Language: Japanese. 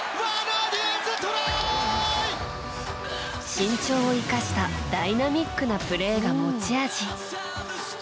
身長を生かしたダイナミックなプレーが持ち味。